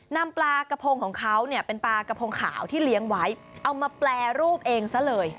นำปลากระพงของเขาเนี่ยเป็นปลากระพงขาวที่เลี้ยงไว้เอามาแปรรูปเองซะเลย